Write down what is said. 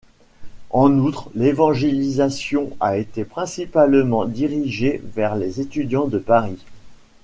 En outre, l'évangélisation a été principalement dirigée vers les étudiants de Paris.